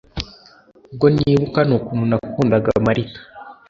ubwo nibuka n'ukuntu nakundaga martha